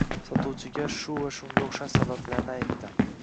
sotuvchiga shu va shunga oʻxshash sabablarni aytdi